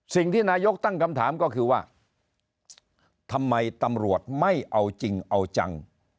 สิ่งที่นายกตั้งคำถามก็คือว่าทำไมตำรวจไม่เอาจริงเอาจัง